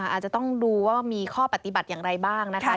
อาจจะต้องดูว่ามีข้อปฏิบัติอย่างไรบ้างนะคะ